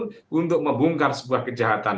keberanian siapapun untuk membongkar sebuah kejahatan